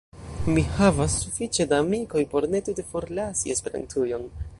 Mi havas sufiĉe da amikoj por ne tute forlasi Esperantujon.